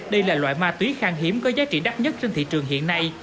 đây là loại ma túy khang hiếm có giá trị đắt nhất trên thị trường hiện nay